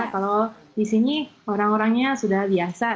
kalau di sini orang orangnya sudah biasa